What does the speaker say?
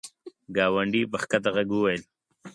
ګاونډي په کښته ږغ وویل !